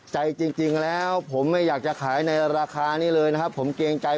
ใจจริงแล้วผมไม่อยากจะขายในราคานี้เลยนะครับผมเกรงใจ